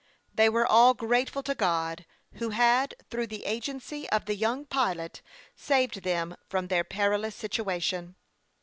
They were all grateful to God, who had, through the agency of the young pilot, saved them from their perilous situation.